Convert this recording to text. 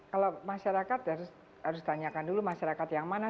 kalau masyarakat harus tanyakan dulu masyarakat yang mana